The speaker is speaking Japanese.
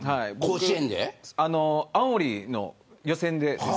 青森の予選です。